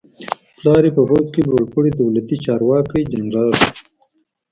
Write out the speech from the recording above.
پلار یې په پوځ کې لوړ پوړی دولتي چارواکی جنرال و.